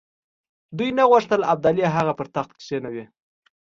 دوی نه غوښتل ابدالي هغه پر تخت کښېنوي.